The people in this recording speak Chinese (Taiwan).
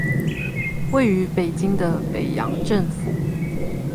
位於北京的北洋政府